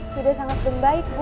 sudah sangat berbaik bu